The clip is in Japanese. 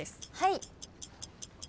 はい。